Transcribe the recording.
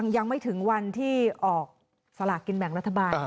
ยังไม่ถึงวันที่ออกสลากกินแบ่งรัฐบาล